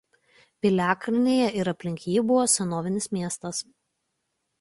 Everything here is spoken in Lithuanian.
Piliakalnyje ir aplink jį buvo senovinis miestas.